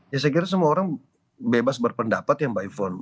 ya saya kira semua orang bebas berpendapat ya mbak ifon